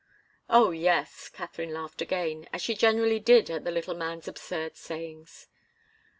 "Oh, yes!" Katharine laughed again, as she generally did at the little man's absurd sayings.